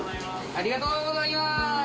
ありがとうございます。